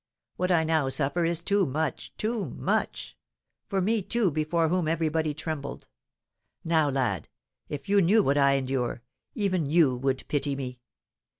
What I now suffer is too much too much! for me, too, before whom everybody trembled. Now, lad, if you knew what I endure, even you would pity me.